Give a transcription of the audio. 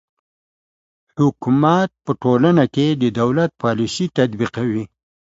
حکومت په ټولنه کې د دولت پالیسي تطبیقوي.